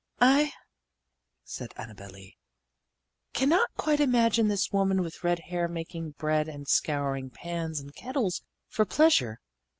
"I," said Annabel Lee, "can not quite imagine this woman with the red hair making bread and scouring pans and kettles for pleasure.